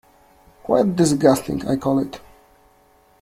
Quite disgusting, I call it.